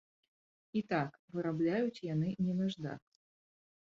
І так, вырабляюць яны не наждак.